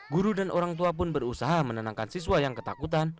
guru dan orang tua pun berusaha menenangkan siswa yang ketakutan